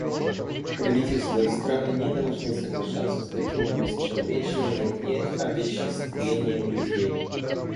Правительства и страны не должны соглашаться с таким обесчеловечением и овеществлением людей.